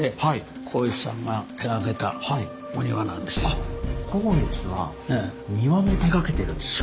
あっ光悦は庭も手がけてるんですか？